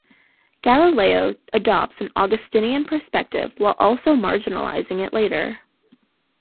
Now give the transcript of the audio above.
Galileo adopts an Augustinian perspective, while also marginalizing it later.